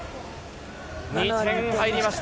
２点入りました。